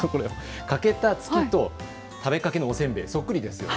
欠けた月と食べかけのおせんべいそっくりですよね。